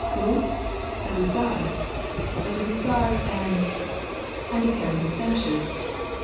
who ? The hussars ! But the hus sars and — and a pair of mustaches.